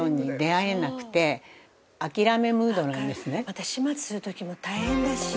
また始末する時も大変だし。